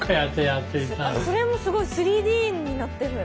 それもすごい３Ｄになってる。